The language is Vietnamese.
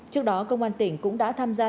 trước đó công an tỉnh cũng đã tham gia